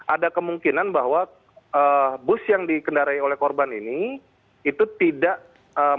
ada kemungkinan bahwa bus yang dikendarai oleh korban ini itu tidak berhasil